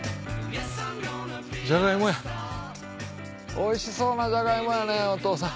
おいしそうなジャガイモやねお父さん。